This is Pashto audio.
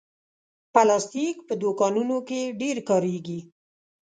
پلاستيک په دوکانونو کې ډېر کارېږي.